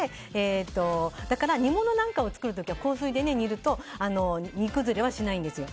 だから煮物なんかを作る時は硬水で煮ると煮崩れしないんですよ。